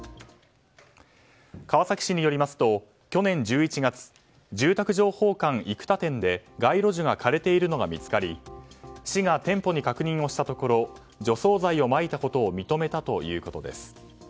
川崎市によりますと、去年１１月住宅情報館生田店で街路樹が枯れているのが見つかり市が店舗に確認をしたところ除草剤をまいたことを認めたということです。